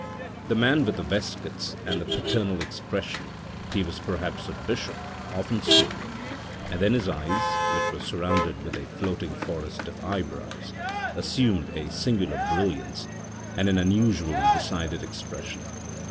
The man with the waistcoats and the paternal expression (he was perhaps a bishop) often smiled and then his eyes, which were surrounded with a floating forest of eyebrows, assumed a singular brilliance and an unusually decided expres sion.